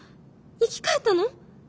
生き返ったの？